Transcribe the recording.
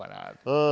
うん。